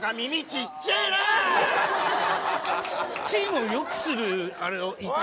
ちっちぇえなチームをよくするあれを言いたい